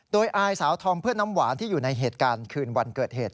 โดยอายสาวธอมเพื่อนน้ำหวานที่อยู่ในเหตุการณ์คืนวันเกิดเหตุ